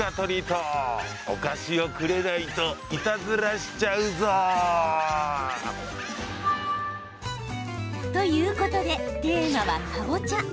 お菓子をくれないといたずらしちゃうぞ！ということでテーマは、かぼちゃ。